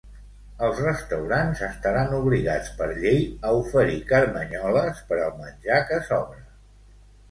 Els restaurants estaran obligats per llei a oferir carmanyoles per al menjar que sobra.